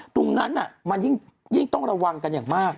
ตรงนั้นมันยิ่งต้องระวังกันอย่างมาก